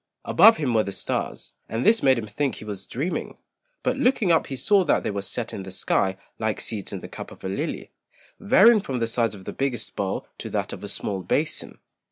Above him were the stars, and this made him think he was dreaming; but looking up he saw that they were set in the sky like seeds in the cup of a lily, varying from the size of the biggest bowl to that of a small basin.